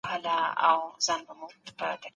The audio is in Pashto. نهه جمع يو؛ لس کېږي.